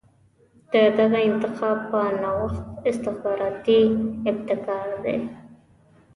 د دغه انتخاب په نوښت استخباراتي ابتکار دی.